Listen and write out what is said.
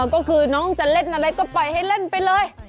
ก็คือน้องจะเล่นอะไรก็ปล่อยให้เล่นไปเลย